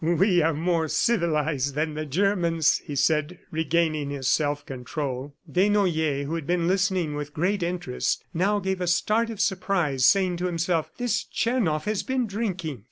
"We are more civilized than the Germans," he said, regaining his self control. Desnoyers, who had been listening with great interest, now gave a start of surprise, saying to himself, "This Tchernoff has been drinking."